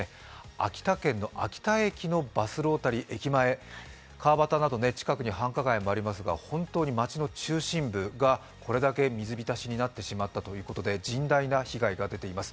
秋田県の秋田駅のバスロータリー、駅前、近くに繁華街もありますが本当に町の中心部がこれだけ水浸しになってしまったということで甚大な被害が出ています。